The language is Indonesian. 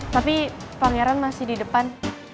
tapi pangeran masih di depan